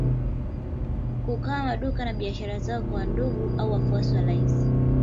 Kugawa maduka na biashara zao kwa ndugu au wafuasi wa rais